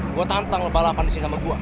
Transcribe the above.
gue tantang lo balapan disini sama gue